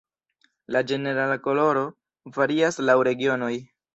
La ĝenerala koloro varias laŭ regionoj.